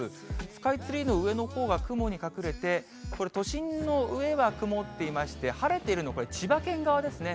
スカイツリーの上のほうが雲に隠れて、これ、都心の上は曇っていまして、晴れているの、これ、千葉県側ですね。